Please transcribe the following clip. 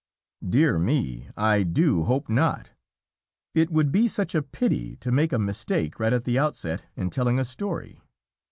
Dear me, I do hope not! It would be such a pity to make a mistake right at the outset in telling a story.